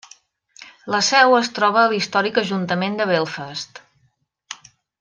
La seu es troba a l'històric Ajuntament de Belfast.